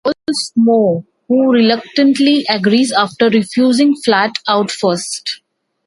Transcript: He involves Moe who reluctantly agrees after refusing flat out first.